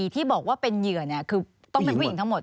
ที่บอกว่าเป็นเหยื่อคือต้องเป็นผู้หญิงทั้งหมด